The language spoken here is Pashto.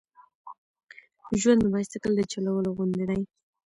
ژوند د بایسکل د چلولو غوندې دی.